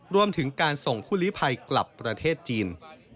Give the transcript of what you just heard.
รวมถึงการส่งผู้ลิภัยกลับประเทศจีน